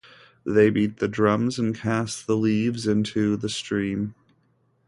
They beat the drums and cast the leaves into the stream.